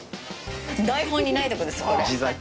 台本にないとこですよ、これ。